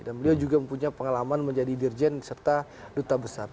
dan beliau juga mempunyai pengalaman menjadi dirjen serta duta berbicara